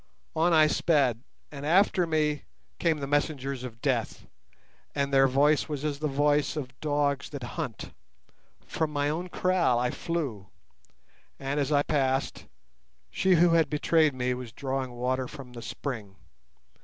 On I sped, and after me came the messengers of death, and their voice was as the voice of dogs that hunt. From my own kraal I flew, and, as I passed, she who had betrayed me was drawing water from the spring.